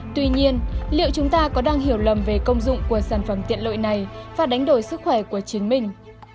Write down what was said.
tuy nhiên liệu chúng ta có đang hiểu lầm về công dụng của sản phẩm tiện lợi này và đánh đổi sức khỏe của chính mình